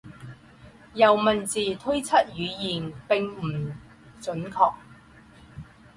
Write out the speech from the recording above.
由文字推测语言并不准确。